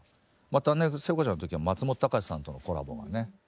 またね聖子ちゃんの時は松本隆さんとのコラボがね。